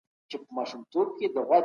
دا زموږ يقين دی.